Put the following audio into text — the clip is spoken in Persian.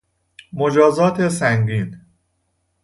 مجازات سنگین